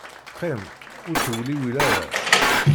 Qqim ur ttewliwil ara.